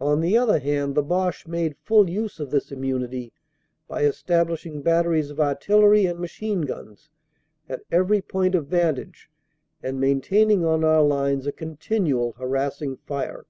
On the other hand the Boche made full use of this immunity by establishing batteries of artillery and machine guns at every point of vantage and maintaining on our lines a continual harassing fire.